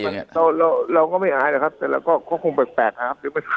อย่างเงี้ยเราเราก็ไม่อายหรอครับแต่เราก็คงแปลกแปลกครับ